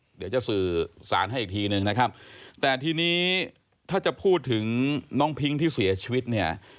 เดี๋ยวจะสื่อสารให้อีกทีนึงนะครับแต่ทีนี้ถ้าจะพูดถึงน้องพิ้งที่เสียชีวิตเนี่ย